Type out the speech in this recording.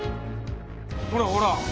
ほらほら。